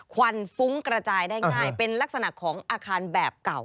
ควันฟุ้งกระจายได้ง่ายเป็นลักษณะของอาคารแบบเก่า